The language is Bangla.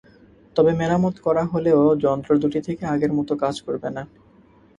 তবে মেরামত করা হলেও যন্ত্র দুটি থেকে আগের মতো কাজ করবে না।